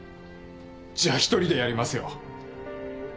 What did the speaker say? じゃあ１人でやりますよ。